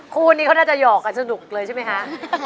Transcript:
ครูนี้เขาน่าจะหยอกกันสนุกไปนะครับ